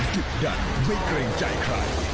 จุดดังไม่เกรงใจใคร